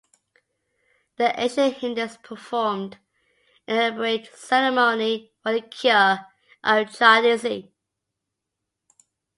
The ancient Hindus performed an elaborate ceremony for the cure of jaundice.